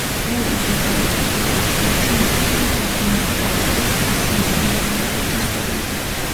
მეორე მსოფლიო ომის პირველივე დღეებში ინსტიტუტიდან ფრონტზე გაიწვიეს ასზე მეტი მასწავლებელი და სტუდენტი.